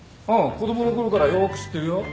子供のころからよく知ってるよ。